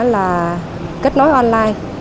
là kết nối online